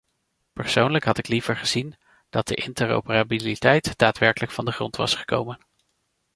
Persoonlijk had ik liever gezien dat de interoperabiliteit daadwerkelijk van de grond was gekomen.